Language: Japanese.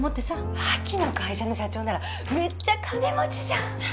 亜紀の会社の社長ならめっちゃ金持ちじゃん。